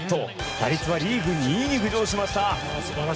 打率はリーグ２位に浮上しました。